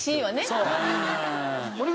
そう。